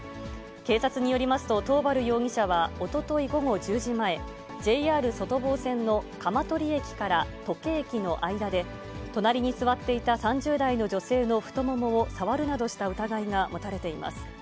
警察によりますと、桃原容疑者はおととい午後１０時前、ＪＲ外房線の鎌取駅から土気駅の間で、隣に座っていた３０代の女性の太ももを触るなどした疑いが持たれています。